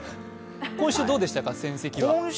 今週どうでしたか、戦績は？